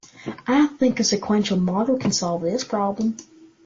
I think a sequential model can solve this problem.